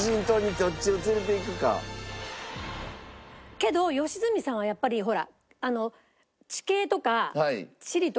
けど良純さんはやっぱりほら。